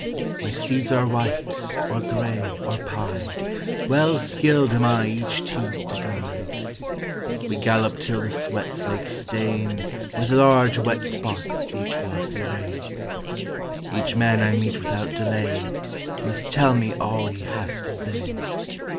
My steeds are white, or gray, or pied; Well skilled am I each team to guide. We gallop till the sweat flakes stain With large wet spots each glossy rein. Each man I meet without delay Must tell me all he has to say.